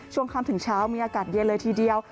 คำถึงเช้ามีอากาศเย็นเลยทีเดียว